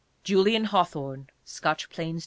JULIAN HAWTHORNE: Scotch Plains, N.